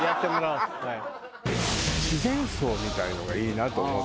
自然葬みたいなのがいいなと思って。